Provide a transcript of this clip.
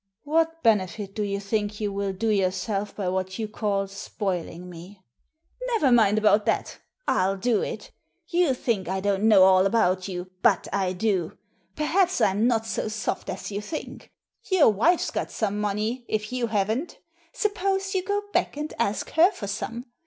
"What benefit do you think you will do yourself by what you call ' spoiling ' me ?" "Never mind about that: FU do it You think I don't know all about you, but I do. Perhaps I'm Digitized by VjOOQIC 278 THE SEEN AND THE UNSEEN not so soft as you think. Your wife's got some money if you haven't Suppose you go back and ask her for some.